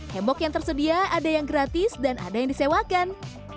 hebok yang tersedia ada yang gratis dan ada yang disewakan